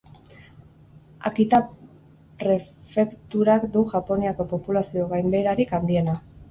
Akita prefekturak du Japoniako populazio-gainbeherarik handiena.